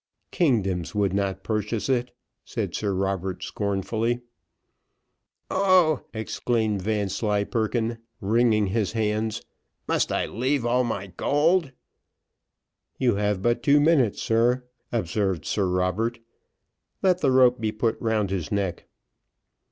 "Kingdoms would not purchase it," said Sir Robert, scornfully. "Oh!" exclaimed Vanslyperken, wringing his hands, "must I leave all my gold?" "You have but two minutes, sir," observed Sir Robert. "Let the rope be put round his neck."